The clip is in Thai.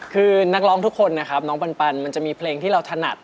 คือนักร้องทุกคนนะครับน้องปันมันจะมีเพลงที่เราถนัด